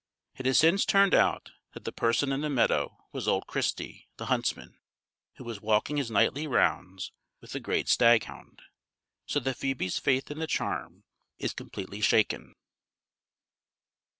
It has since turned out that the person in the meadow was old Christy, the huntsman, who was walking his nightly rounds with the great staghound; so that Phoebe's faith in the charm is completely shaken.